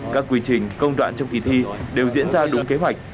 các quy trình công đoạn trong kỳ thi đều diễn ra đúng kế hoạch